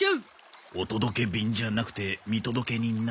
「お届け便」じゃなくて「見届け人」な。